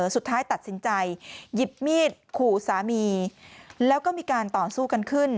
สุดท้ายตัดสินใจหยิบมีดขู่สามีแล้วก็มีการต่อสู้กันขึ้น